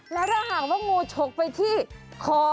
และถ้าห่างพระงูฉกไปที่คอ